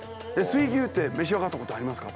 水牛って召し上がったことありますか？